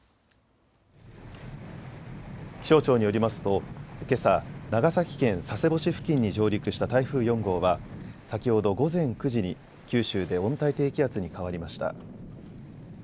気象庁によりますとけさ、長崎県佐世保市付近に上陸した台風４号は先ほど午前９時に九州で温帯低気圧に変わりました。